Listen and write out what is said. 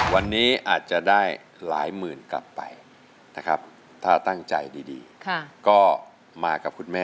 ทุ่มสีทองสะมุม